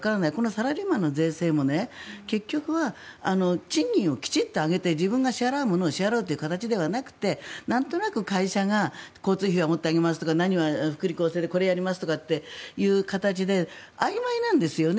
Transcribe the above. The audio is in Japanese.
サラリーマンの税制も賃金をきちんと上げて自分が支払うものを支払うという形ではなくてなんとなく会社が交通費は持ちますとか福利厚生でこれやりますとかいう形であいまいなんですよね。